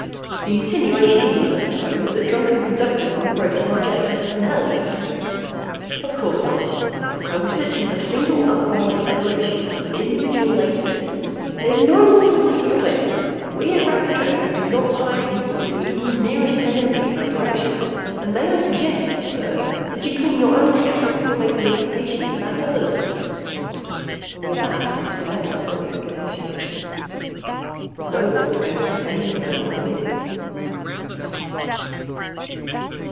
"The insinuation is, I suppose, that drunken conductors are operating our jetbuses and helis?" "Of course not. I was searching for a single alcoholic predilection, an individual latency " "There's no possibility of it. We at Rapid Transit do not hire people with even the merest tendency in that direction. And may I suggest, sir, that you clean your own house before making implications about others?" And with that, Mr. Bemis broke the connection. No one was going to put anything over on him.